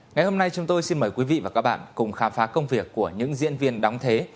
ngày hôm nay chúng tôi xin mời quý vị và các bạn cùng khám phá công việc của những diễn viên đóng thế